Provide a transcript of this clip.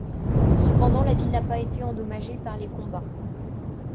Cependant la ville n'a pas été endommagée par les combats.